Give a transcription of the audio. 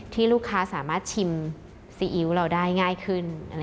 ลูกค้าสามารถชิมซีอิ๊วเราได้ง่ายขึ้น